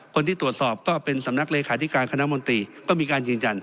คนที่ตรวจสอบก็เป็นสำนักเลขาธิการคณะมนตรีก็มีการยืนยัน